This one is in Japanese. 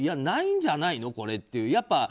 ないんじゃないの、これっていう。